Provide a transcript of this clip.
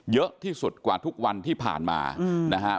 เยอะที่สุดกว่าทุกวันที่ผ่านมานะฮะ